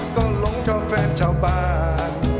ก็หลงเจ้าแฟนชาวบ้าน